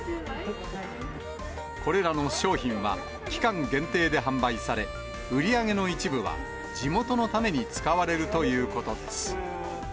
これらの商品は、期間限定で販売され、売り上げの一部は、地元のために使われるということです。